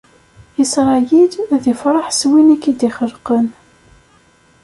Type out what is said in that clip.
Isṛayil, ad ifreḥ s win i k-id-ixelqen!